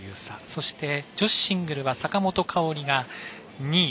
そして、女子シングルは坂本花織が２位。